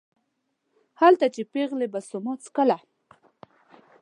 هلته چې پېغلې به سوما څکله